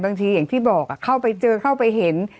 บางทีอย่างที่พี่บอกเข้าไปเจอเข้าไปเห็น